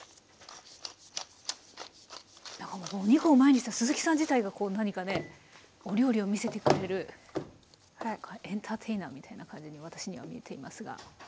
何かお肉を前にした鈴木さん自体が何かねお料理を見せてくれるエンターテイナーみたいな感じに私には見えていますが。